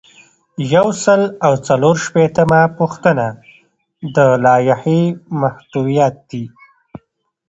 یو سل او څلور شپیتمه پوښتنه د لایحې محتویات دي.